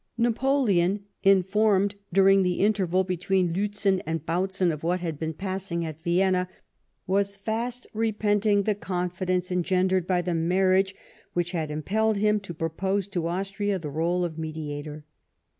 Napoleon, informed during the interval between Liit zen and Bautzen of what had been passing at Vienna, was fast repenting the confidence engendered by the marriage which had impelled him to propose to Austria the role of mediator.